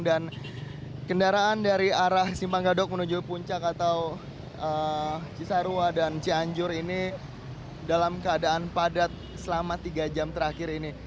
kendaraan dari arah simpang gadok menuju puncak atau cisarua dan cianjur ini dalam keadaan padat selama tiga jam terakhir ini